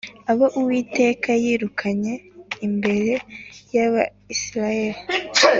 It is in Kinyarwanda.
abo Uwiteka yirukanye imbere y’Abisirayeli